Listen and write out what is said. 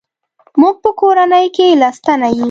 موږ په کورنۍ کې لس تنه یو.